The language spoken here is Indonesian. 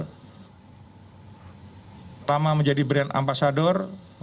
terutama menjadi brand ambasador